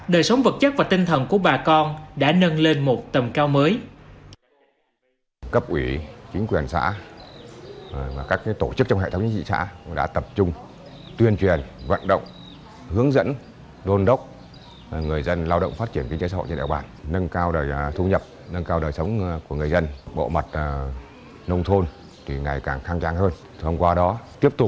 đời sống vật chất và tinh thần của bà con đã nâng lên một tầm cao mới